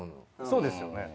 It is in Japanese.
そうですよね。